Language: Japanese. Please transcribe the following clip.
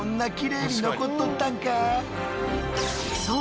そう！